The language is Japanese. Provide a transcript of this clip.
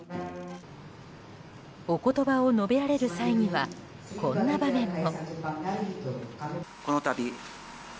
お言葉を述べられる際にはこんな場面も。